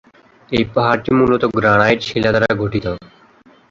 এই পাহাড়টি মূলত 'গ্রানাইট' শিলা দ্বারা গঠিত।